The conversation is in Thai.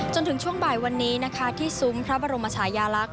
จนถึงช่วงบ่ายวันนี้นะคะที่ซุ้มพระบรมชายาลักษ